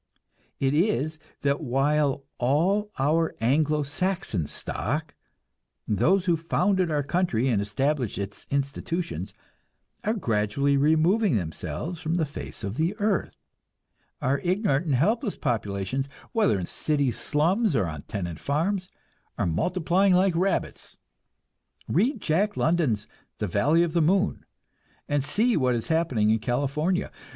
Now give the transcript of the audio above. It is that while all our Anglo Saxon stock, those who founded our country and established its institutions, are gradually removing themselves from the face of the earth, our ignorant and helpless populations, whether in city slums or on tenant farms, are multiplying like rabbits. Read Jack London's "The Valley of the Moon" and see what is happening in California.